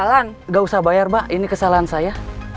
jalan gak usah bayar mbak ini kesalahan saya